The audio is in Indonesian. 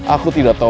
aku tidak tahu